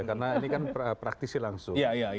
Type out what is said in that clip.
karena ini kan praktisi langsung